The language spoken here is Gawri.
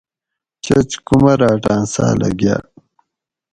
چچ کُمراۤٹاۤں ساۤلہ گاۤ